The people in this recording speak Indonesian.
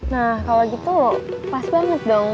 nah kalau gitu loh pas banget dong